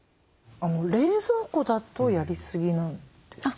冷蔵庫だとやりすぎなんですか？